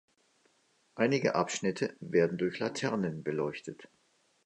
Einige Abschnitte werden durch Laternen beleuchtet.